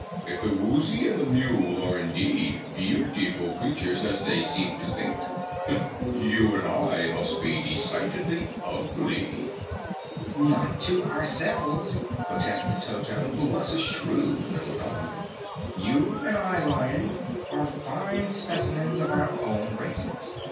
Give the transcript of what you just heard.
If the Woozy and the Mule are indeed beautiful creatures as they seem to think, you and I must be decidedly ugly." "Not to ourselves," protested Toto, who was a shrewd little dog. "You and I, Lion, are fine specimens of our own races.